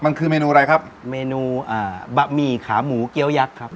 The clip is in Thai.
มันคือเมนูอะไรครับเมนูอ่าบะหมี่ขาหมูเกี้ยวยักษ์ครับ